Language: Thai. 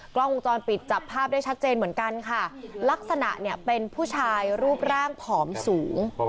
กล้องวงจรปิดจับภาพได้ชัดเจนเหมือนกันค่ะลักษณะเนี่ยเป็นผู้ชายรูปร่างผอมสูง